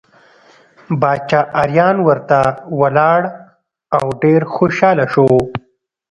باچا اریان ورته ولاړ او ډېر خوشحاله شو.